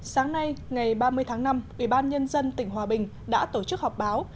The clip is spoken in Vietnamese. sáng nay ngày ba mươi tháng năm ủy ban nhân dân tỉnh hòa bình đã tổ chức họp báo